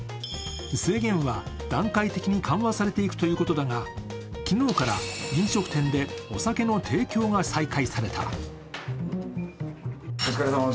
制限は段階的に緩和されていくということだが昨日から飲食店でお酒の提供が再開された。